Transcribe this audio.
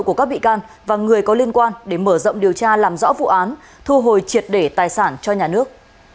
của các bị can và người có liên quan để mở rộng điều tra làm rõ vụ án thu hồi triệt để tài sản cho nhà nước